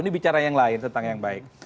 ini bicara yang lain tentang yang baik